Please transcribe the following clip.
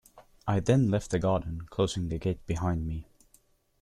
I then left the garden, closing the gate behind me.